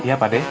iya pak deh